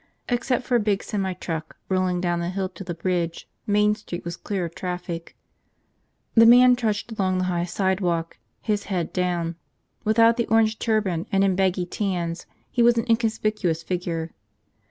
Except for a big semitruck rolling down the hill to the bridge, Main Street was clear of traffic. The man trudged along the high sidewalk, his head down. Without the orange turban and in baggy tans, he was an inconspicuous figure.